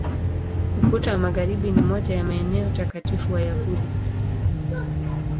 Ukuta wa Magharibi ni moja ya maeneo takatifu Wayahudi.